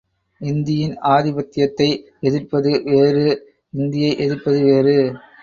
இந்தியின் ஆதிபத்தியத்தை எதிர்ப்பது வேறு இந்தியை எதிர்ப்பது வேறு.